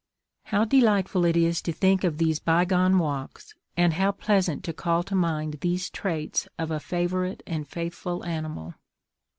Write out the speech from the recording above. How delightful it is to think of these bygone walks, and how pleasant to call to mind these traits of a favourite and faithful animal!